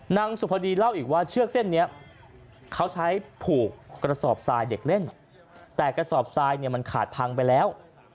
นางสุพดีเล่าอีกว่าเชือกเส้นนี้เขาใช้ผูกกระสอบทรายเด็กเล่นแต่กระสอบทรายเนี่ยมันขาดพังไปแล้ว